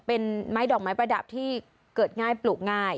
เป็นไม้ดอกไม้ประดับที่เกิดง่ายปลูกง่าย